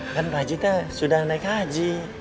kan pak jitnya sudah naik haji